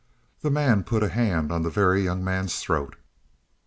The man put a hand on the Very Young Man's throat.